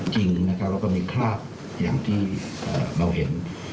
จริงนะครับแล้วก็มีคราบอย่างที่เราเห็น